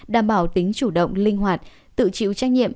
đảm bảo tính chủ động linh hoạt tự chịu trách nhiệm